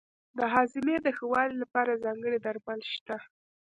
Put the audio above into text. د هاضمې د ښه والي لپاره ځانګړي درمل شته.